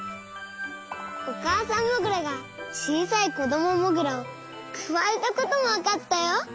おかあさんモグラがちいさいこどもモグラをくわえたこともわかったよ。